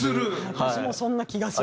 私もそんな気がする。